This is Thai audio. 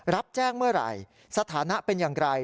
รับแจ้งเมื่อไหร่สถานะเป็นอย่างไร